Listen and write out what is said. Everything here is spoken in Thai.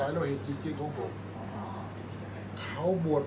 อันไหนที่มันไม่จริงแล้วอาจารย์อยากพูด